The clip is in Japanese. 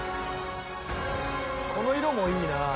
この色もいいな。